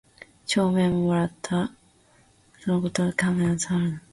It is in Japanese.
帳面も貰つた。是はずつと後の事であるが金を三円許り借してくれた事さへある。